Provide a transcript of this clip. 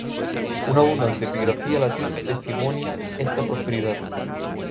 Una abundante epigrafía latina testimonia esta prosperidad.